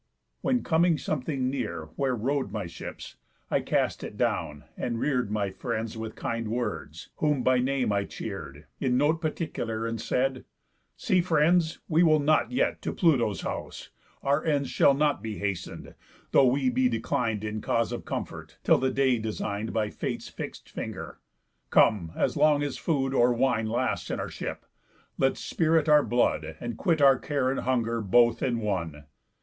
When (coming something near Where rode my ships) I cast it down, and rear'd My friends with kind words; whom by name I cheer'd, In note particular, and said: 'See, friends, We will not yet to Pluto's house; our ends Shall not be hasten'd, though we be declin'd In cause of comfort, till the day design'd By Fate's fix'd finger. Come, as long as food Or wine lasts in our ship, let's spirit our blood, And quit our care and hunger both in one.